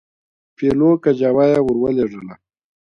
پیلو کجاوه یې ورولېږله.